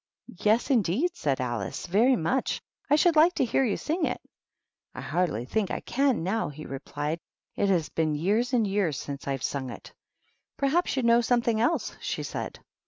"Yes, indeed," said Alice; "very much. I should like to hear you sing it." " I hardly think I can now," he replied ;" it has been years and years since I've sung it." " Perhaps you know something else," she said.